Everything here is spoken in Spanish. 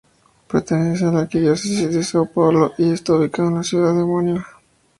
Pertenece a la arquidiócesis de São Paulo, y está ubicado en la ciudad homónima.